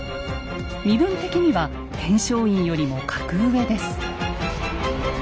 身分的には天璋院よりも格上です。